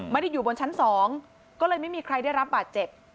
อยู่บนชั้น๒ก็เลยไม่มีใครได้รับบาดเจ็บ